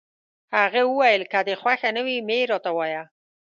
هغه وویل: که دي خوښه نه وي، مه يې راته وایه.